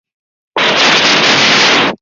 韦尔特里厄。